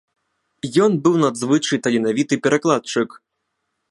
Ён быў надзвычай таленавіты перакладчык.